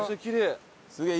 すげえ。